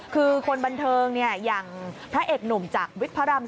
คือคนบันเทิงอย่างพระเอกหนุ่มจากวิทย์พระราม๓